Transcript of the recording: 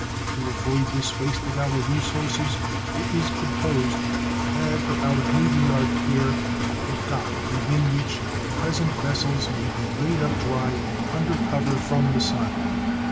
To avoid this waste of our resources it is proposed to add to our navy yard here a dock within which our present vessels may be laid up dry and under cover from the sun.